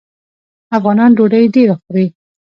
افغانان ډوډۍ ډیره خوري.